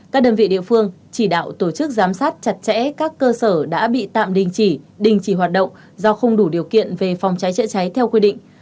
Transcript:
các đơn vị địa phương chỉ đạo tổ chức giám sát chặt chẽ các cơ sở đã bị tạm đình chỉ đình chỉ hoạt động do không đủ điều kiện về phòng cháy chữa cháy theo quy định